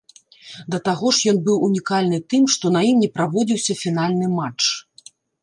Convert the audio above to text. Да таго ж ён быў унікальны тым, што на ім не праводзіўся фінальны матч.